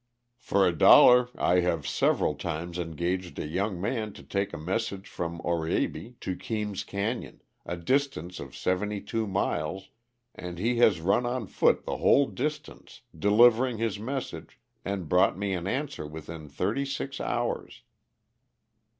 "For a dollar I have several times engaged a young man to take a message from Oraibi to Keam's Canyon, a distance of seventy two miles, and he has run on foot the whole distance, delivered his message, and brought me an answer within thirty six hours.